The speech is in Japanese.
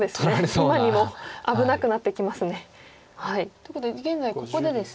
今にも危なくなってきますね。ということで現在ここでですね